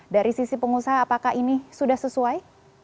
dari sisi pengusaha apakah ini sudah sesuai